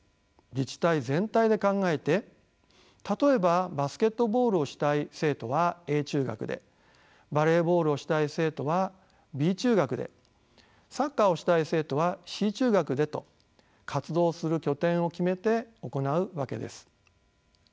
自治体全体で考えて例えばバスケットボールをしたい生徒はＡ中学でバレーボールをしたい生徒はＢ中学でサッカーをしたい生徒はＣ中学でと活動する拠点を決めて行うわけです。